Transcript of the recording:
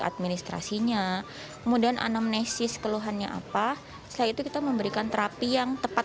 administrasinya kemudian anamnesis keluhannya apa setelah itu kita memberikan terapi yang tepat